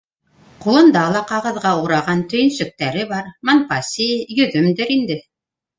Ҡулында ла ҡағыҙға ураған төйөнсөктәре бар, монпаси, йөҙөмдөр инде.